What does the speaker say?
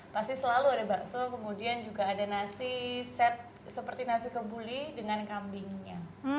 pasti selalu ada bakso kemudian juga ada nasi set seperti nasi kebuli dengan kambingnya